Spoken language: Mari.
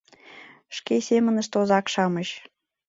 Шке семынышт озак-шамыч